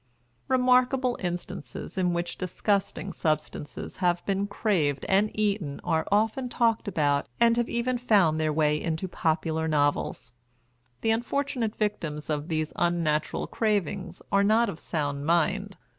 Remarkable instances in which disgusting substances have been craved and eaten are often talked about and have even found their way into popular novels. The unfortunate victims of these unnatural cravings are not of sound mind.